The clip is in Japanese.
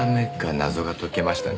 謎が解けましたね。